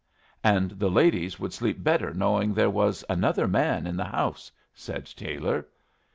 "And the ladies would sleep better knowing there was another man in the house," said Taylor.